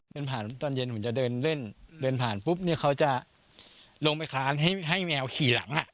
เดินผ่านตอนเย็นผมจะเดินเล่นเดินผ่านปุ๊บเนี่ยเขาจะลงไปค้านให้แมวขี่หลังอ่ะ